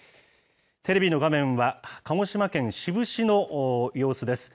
テレビの画面は、鹿児島県志布志の様子です。